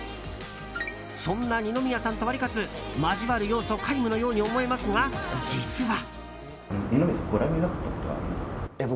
そんな二宮さんとワリカツ交わる要素皆無のように思えますが、実は。